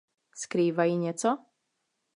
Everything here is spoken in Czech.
Skrývají něco?